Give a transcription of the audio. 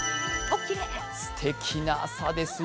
すてきな朝ですよ